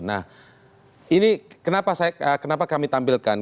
nah ini kenapa kami tampilkan